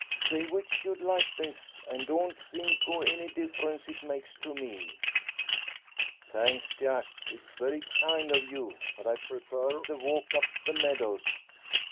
Say which you'd like best, an' don't think o' any difference it makes to me." "Thanks, Jack; it's very kind of you, but I prefer the walk up the meadows.